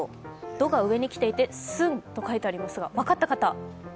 「ど」が上に来ていて、「すん」と書いてありますが、分かった方？